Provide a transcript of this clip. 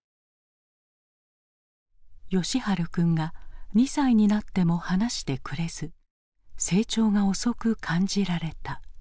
喜春君が２歳になっても話してくれず成長が遅く感じられた。